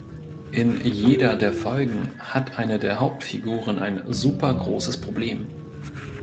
In jeder der Folgen hat eine der Hauptfiguren ein „super großes Problem“.